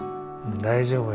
大丈夫や。